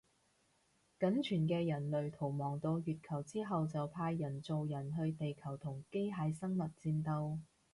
僅存嘅人類逃亡到月球之後就派人造人去地球同機械生物戰鬥